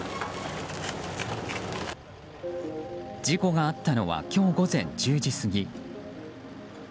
事故があったのは今日午前１０時過ぎ。